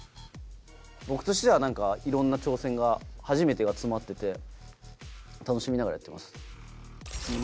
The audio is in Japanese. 僕としては何かいろんな挑戦が初めてが詰まってて楽しみながらやってます。